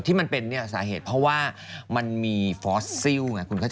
ที่มันเป็นสาเหตุเพราะว่ามีฟอสซิล